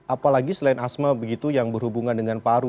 apalagi selain asma begitu yang berhubungan dengan paru